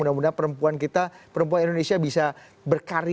mudah mudahan perempuan kita perempuan indonesia bisa berkarya